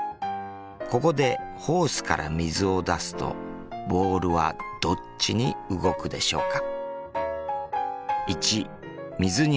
ここでホースから水を出すとボールはどっちに動くでしょうか？